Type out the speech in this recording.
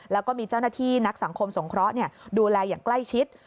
แล้วก็มีเจ้าหน้าที่นักสังคมสงเคราะห์ดูแลอย่างใกล้ชิด